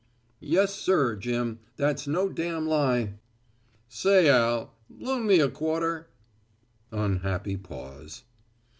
"Yes, sir, Jim. That's no damn lie." "Say, Al, loan me a quarter?" Unhappy pause.